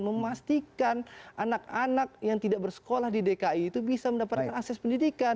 memastikan anak anak yang tidak bersekolah di dki itu bisa mendapatkan akses pendidikan